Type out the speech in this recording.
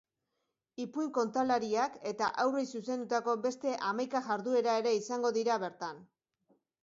Ipuin kontalariak eta haurrei zuzendutako beste hamaika jarduera ere izango dira bertan.